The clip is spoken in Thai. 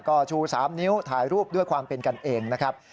ก็ชู๓นิ้วถ่ายรูปด้วยความเป็นกันเองนะครับ